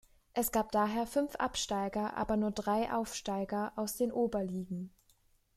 Es gab daher fünf Absteiger aber nur drei Aufsteiger aus den Oberligen.